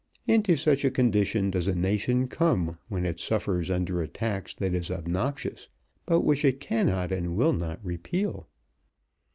Into such a condition does a nation come when it suffers under a tax that is obnoxious, but which it cannot and will not repeal.